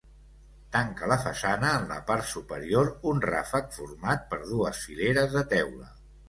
Tanca la façana en la part superior un ràfec format per dues fileres de teula.